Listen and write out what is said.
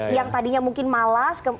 yang tadinya mungkin malas